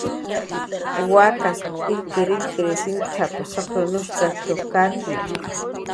"Wakas illkirillkir sintap"" sakrunshtak katma"